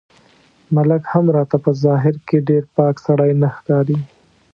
ملک هم راته په ظاهر کې ډېر پاک سړی نه ښکاري.